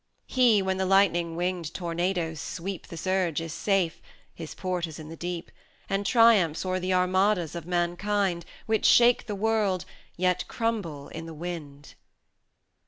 He, when the lightning winged Tornados sweep The surge, is safe his port is in the deep And triumphs o'er the armadas of Mankind, Which shake the World, yet crumble in the wind.